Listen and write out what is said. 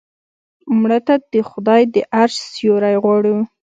مړه ته د خدای د عرش سیوری غواړو